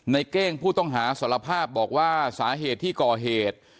เก้งผู้ต้องหาสารภาพบอกว่าสาเหตุที่ก่อเหตุ